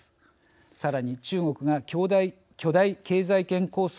さらに中国が巨大経済圏構想